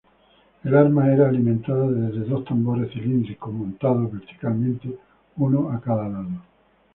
El arma era alimentada desde dos tambores cilíndricos montados verticalmente, uno a cada lado.